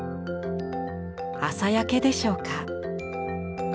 朝焼けでしょうか。